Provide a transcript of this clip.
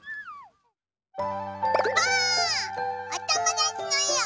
おともだちのえを。